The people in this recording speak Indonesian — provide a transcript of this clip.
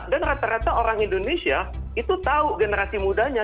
dan rata rata orang indonesia itu tahu generasi mudanya